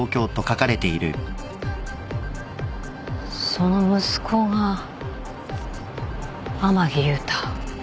その息子が天樹勇太？